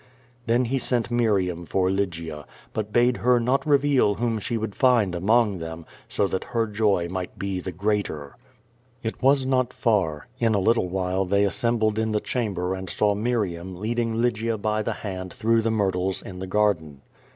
Then he sent Miriam for Lygia, but bade her not reveal whom she would find among them, so that her joy might be the greater. QUO VADIS, 261 It was not far. In a little while thc} assembled in the chamber and saw ^liriam leading Lygia by the hand through the myrtles in the garden.